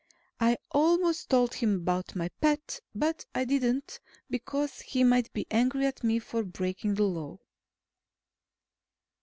I almost told him about my pet, but I didn't, because he might be angry at me for breaking the Law.